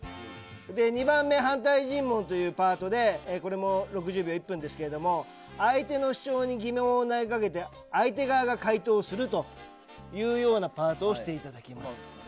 ２番目、反対尋問というパートでこれも１分ですが相手の主張に疑問を投げかけて相手側が回答するというようなパートをしていただきます。